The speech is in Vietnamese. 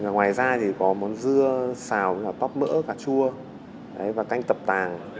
ngoài ra thì có món dưa xào tóc mỡ cà chua và canh tập tàng